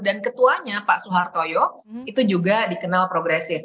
dan ketuanya pak soehartojo itu juga dikenal progresif